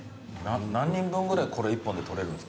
何人分ぐらいこれ１本で取れるんですか？